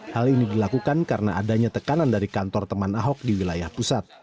hal ini dilakukan karena adanya tekanan dari kantor teman ahok di wilayah pusat